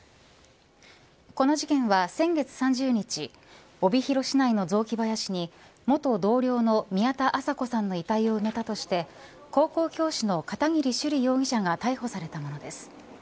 この事件は、先月３０日帯広市内の雑木林に元同僚の宮田麻子さんの遺体を埋めたとして高校教師の片桐朱璃容疑者が逮捕されたものです。